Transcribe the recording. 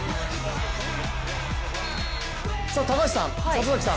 高橋さん、里崎さん